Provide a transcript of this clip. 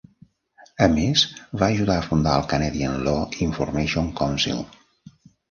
A més, va ajudar a fundar el Canadian Law Information Council.